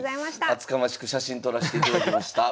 厚かましく写真撮らしていただきました。